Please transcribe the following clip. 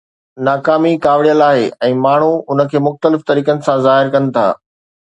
ناڪامي ڪاوڙيل آهي ۽ ماڻهو ان کي مختلف طريقن سان ظاهر ڪن ٿا.